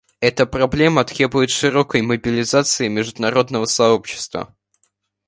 Эта проблема требует широкой мобилизации международного сообщества.